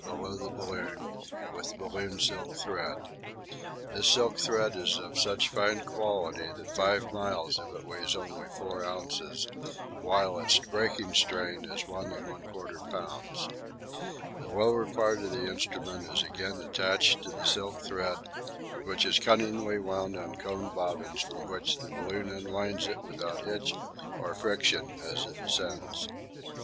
below the balloon with balloon silk thread; this silk thread is of such fine quality that 5 miles of it only weighs 4 ozs., whilst its breaking strain is 1 1/4 lbs. The lower part of the instrument is again attached to the silk thread, which is cunningly wound on coned bobbins from which the balloon unwinds it without hitch or friction as it ascends.